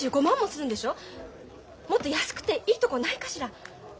もっと安くていいとこないかしら？